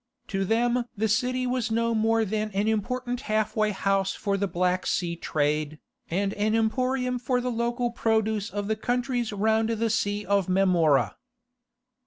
To them the city was no more than an important half way house for the Black Sea trade, and an emporium for the local produce of the countries round the Sea of Marmora.